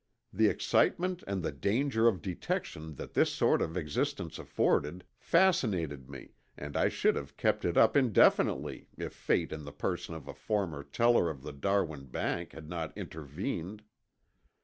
The excitement and the danger of detection that this sort of existence afforded fascinated me and I should have kept it up indefinitely if fate in the person of a former teller of the Darwin Bank had not intervened.